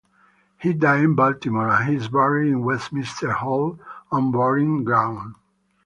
He died in Baltimore and is buried in Westminster Hall and Burying Ground.